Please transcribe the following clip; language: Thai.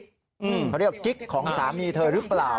เขาเรียกกิ๊กของสามีเธอหรือเปล่า